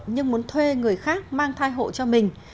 nhưng muốn thuê người khác mang thai hộ cho mình